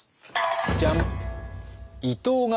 ジャン。